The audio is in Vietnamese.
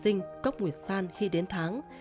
sử dụng băng vệ sinh cốc nguyệt san khi đến tháng